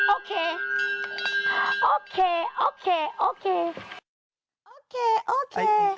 โอเคโอเคโอเคโอเค